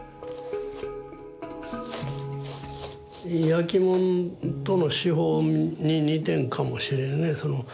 焼きもんとの手法に似てるんかもしれんね。